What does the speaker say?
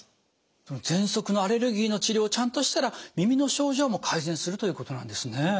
そのぜんそくのアレルギーの治療をちゃんとしたら耳の症状も改善するということなんですね。